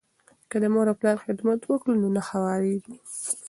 که د مور او پلار خدمت وکړو نو نه خواریږو.